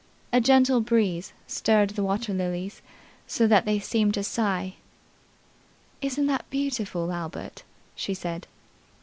A gentle breeze stirred the water lilies, so that they seemed to sigh. "Isn't that beautiful, Albert?" she said.